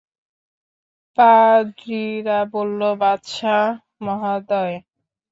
পাদ্রীরা বলল, বাদশাহ মহোদয়!